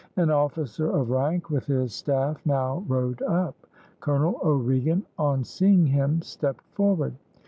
An officer of rank with his staff now rode up. Colonel O'Regan on seeing him stepped forward.